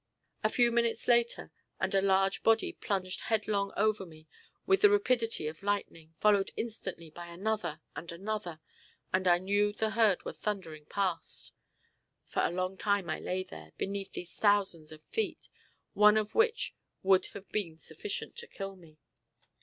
A few minutes later, and a dark body plunged headlong over me with the rapidity of lightning, followed instantly by another and another, and I knew the herd were thundering past. For a long time I lay there, beneath these thousands of feet, one of which would have been sufficient to kill me.